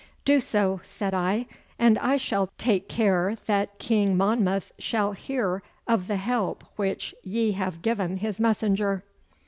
'Do so,' said I, 'and I shall take care that King Monmouth shall hear of the help which ye have given his messenger.